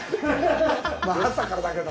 まあ、朝からだけど。